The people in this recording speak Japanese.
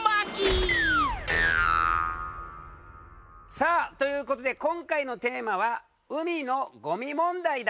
さあということで今回のテーマは海のごみ問題だ。